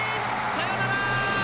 サヨナラ！